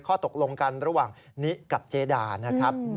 ข้อตกลงกันระหว่างนิกับเจดานะครับ